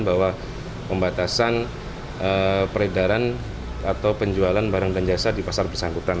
bahwa pembatasan peredaran atau penjualan barang dan jasa di pasar bersangkutan